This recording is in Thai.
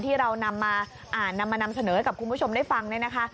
ที่เรานำมานำเสนอให้กับคุณผู้ชมได้ฟังนะคะ